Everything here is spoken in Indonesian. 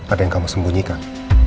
ada yang kamu sembunyikan